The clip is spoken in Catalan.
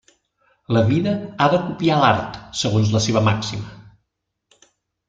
La vida ha de copiar l'art, segons la seva màxima.